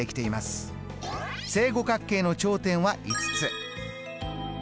正五角形の頂点は５つ。